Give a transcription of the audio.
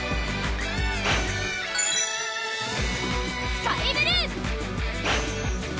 スカイブルー！